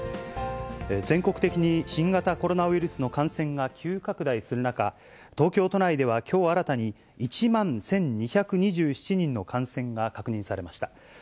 全国的に新型コロナウイルスの感染が急拡大する中、東京都内では、きょう新たに１万１２２７人の感染が確認されました。